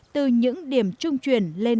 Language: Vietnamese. từ những điểm trung chuyển lên